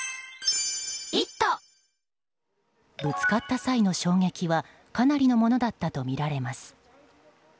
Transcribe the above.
ぶつかった際の衝撃はかなりのものだったとみられます。